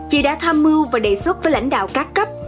chị đã tham mưu và đề xuất với lãnh đạo các cấp